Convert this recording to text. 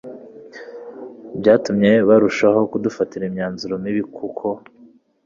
byatumye barushaho kudufatira imyanzuro mibi kuko